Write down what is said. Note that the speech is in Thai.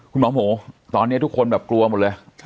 คุณหมอหมูตอนนี้ทุกคนแบบกลัวหมดเลย